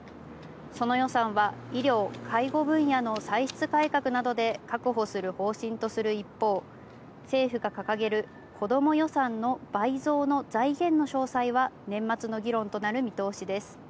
その予算は、医療・介護分野の歳出改革などで確保する方針とする一方、政府が掲げるこども予算の倍増の財源の詳細は、年末の議論となる見通しです。